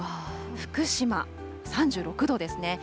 福島３６度ですね。